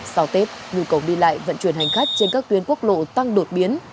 sau tết nhu cầu đi lại vận chuyển hành khách trên các tuyến quốc lộ tăng đột biến